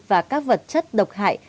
và các vật chất độc hại